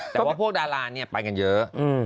แต่ว่าพวกดาราไปกันเยอะ